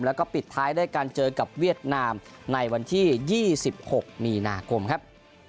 แล้วก็ปิดท้ายด้วยการเจอกับเวียดนามในวันที่๒๖มีนาคมครับ